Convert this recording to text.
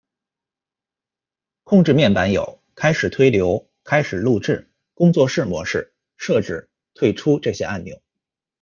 控件面板有开始推流、开始录制、工作室模式、设置、退出这些按钮。